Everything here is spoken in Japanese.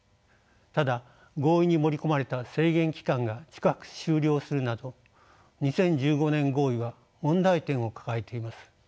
ただ合意に盛り込まれた制限期間が近く終了するなど２０１５年合意は問題点を抱えています。